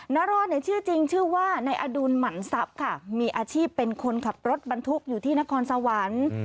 นารอดเนี่ยชื่อจริงชื่อว่านายอดุลหมั่นทรัพย์ค่ะมีอาชีพเป็นคนขับรถบรรทุกอยู่ที่นครสวรรค์